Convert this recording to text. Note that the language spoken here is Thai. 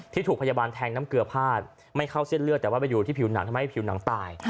ถูกพยาบาลแทงน้ำเกลือพาดไม่เข้าเส้นเลือดแต่ว่าไปอยู่ที่ผิวหนังทำให้ผิวหนังตาย